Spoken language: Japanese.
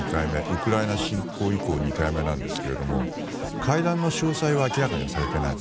ウクライナ侵攻以降２回目なんですけども会談の詳細は明らかにされていない。